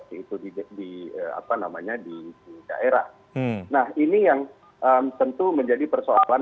tentu ini memang tentu masih dalam